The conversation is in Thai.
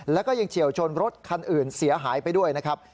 แล้วก็ยังเฉียวชนรถคันอื่นเสียหายไปด้วยนะครับ